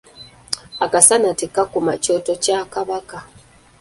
Akasaana tekakuma kyoto kya Kabaka.